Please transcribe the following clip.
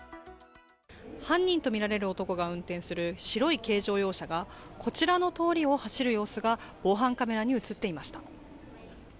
犯人とみられる男が運転する白い軽乗用車が、こちらの通りを走る様子が防犯カメラに映っていました。